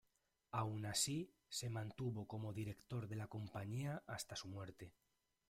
Aun así, se mantuvo como director de la compañía hasta su muerte.